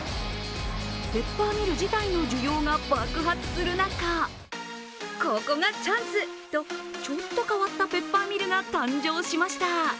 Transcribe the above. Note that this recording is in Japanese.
ペッパーミル自体の需要が爆発する中ここがチャンスと、ちょっと変わったペッパーミルが誕生しました。